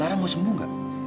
lara mau sembuh enggak